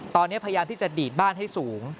ตอนนี้พยายามที่จะดีดบ้านให้สูง